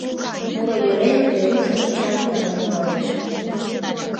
Муро йӧреак Верушым Эчан тазан ӧндалеш.